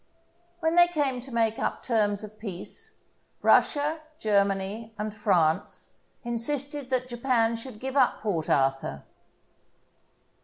When they came to make up terms of peace, Russia, Germany, and France insisted that Japan should give up Port Arthur.